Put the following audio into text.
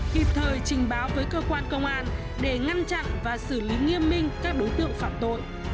kịp thời trình báo với cơ quan công an để ngăn chặn và xử lý nghiêm minh các đối tượng phạm tội